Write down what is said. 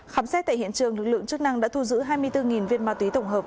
khám xét tại hiện trường lực lượng chức năng đã thu giữ hai mươi bốn viên ma túy tổng hợp